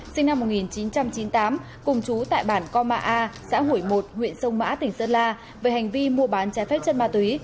sinh năm một nghìn chín trăm chín mươi tám cùng chú tại bản co mạ a xã hủy một huyện sông mã tỉnh sơn la về hành vi mua bán trái phép chất ma túy